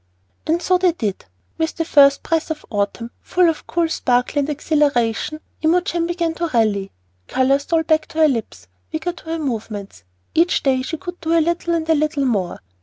And so they did. With the first breath of autumn, full of cool sparkle and exhilaration, Imogen began to rally. Color stole back to her lips, vigor to her movements; each day she could do a little and a little more.